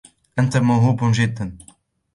أنت موهوبٌ حقاً.